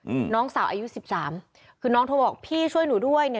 อืมน้องสาวอายุสิบสามคือน้องโทรบอกพี่ช่วยหนูด้วยเนี้ย